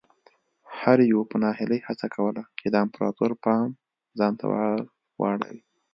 هر یوه په ناهیلۍ هڅه کوله چې د امپراتور پام ځان ته ور واړوي.